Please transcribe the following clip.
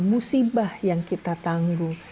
musibah yang kita tangguh